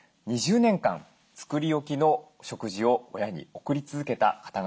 ２０年間作り置きの食事を親に送り続けた方がいます。